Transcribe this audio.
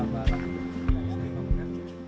gak ada yang bisa dikomunikasi